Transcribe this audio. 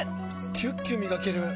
キュッキュ磨ける！